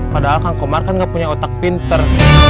padahal kang komar kan gak punya otak pintar